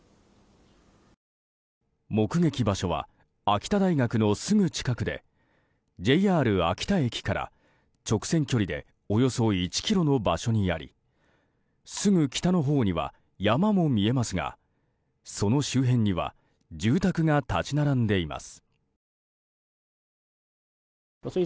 目撃場所は秋田大学のすぐ近くでＪＲ秋田駅から直線距離でおよそ１ｋｍの場所にありすぐ北のほうには山も見えますがその周辺には住宅が立ち並んでいます。